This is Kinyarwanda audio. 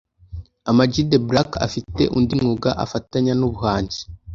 Amag the black afite undi mwuga afatanya nubuhanzi